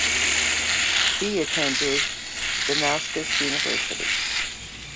He attended Damascus University.